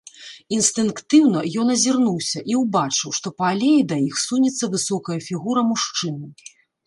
Інстынктыўна ён азірнуўся і ўбачыў, што па алеі да іх сунецца высокая фігура мужчыны.